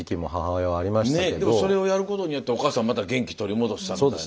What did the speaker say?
でもそれをやることによってお母さんまた元気取り戻したみたいな。